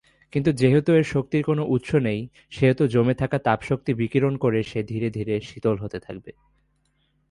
কিন্তু যেহেতু এর শক্তির কোন উৎস নেই সেহেতু জমে থাকা তাপ শক্তি বিকিরণ করে সে ধীরে ধীরে শীতল হতে থাকবে।